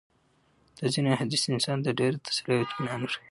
دا ځېني احاديث انسان ته ډېره تسلي او اطمنان ورکوي